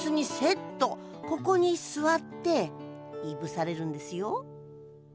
ここに座っていぶされるんですよ。